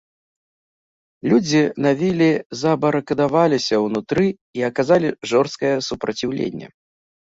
Людзі на віле забарыкадаваліся ўнутры і аказалі жорсткае супраціўленне.